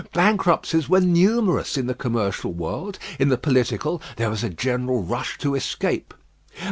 Bankruptcies were numerous in the commercial world; in the political, there was a general rush to escape.